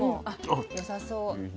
あっよさそう。